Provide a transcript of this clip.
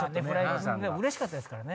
うれしかったですからね。